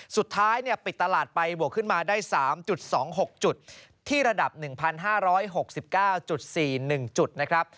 สุดท้ายปิดตลาดไปบวกขึ้นมาได้๓๒๖จุดที่ระดับ๑๕๖๙๔๑จุดนะครับ